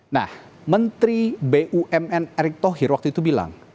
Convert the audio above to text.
nah menteri bumn erick thohir waktu itu bilang